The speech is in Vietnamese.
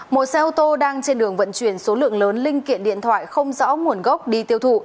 một xe ô tô đang trên đường vận chuyển số lượng lớn linh kiện điện thoại không rõ nguồn gốc đi tiêu thụ